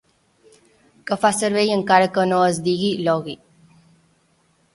Que fa servei, encara que no es digui Iogui.